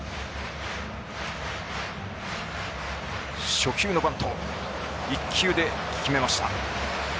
初球のバント１球で決めました。